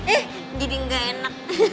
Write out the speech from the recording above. eh jadi gak enak